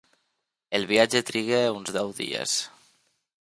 El viatge triga uns deu dies.